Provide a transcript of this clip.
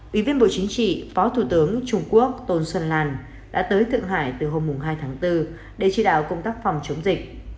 ủy viên bộ chính trị phó thủ tướng trung quốc tôn xuân lan đã tới thượng hải từ hôm hai tháng bốn để chỉ đạo công tác phòng chống dịch